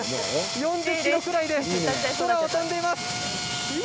４０ｋｍぐらいで空を飛んでいます。